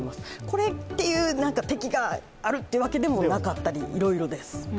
これっていうなにか敵があるわけでもなかったり、いろいろです。